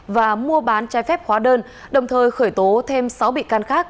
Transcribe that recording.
và mua bán chai phép khóa đơn đồng thời khởi tố thêm sáu bị can khác